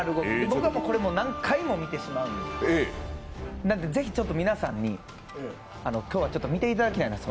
僕はこれ何回も見てしまうんですけど、ぜひちょっと皆さんに今日は見ていただきたいんです。